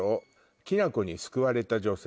きな粉に救われた女性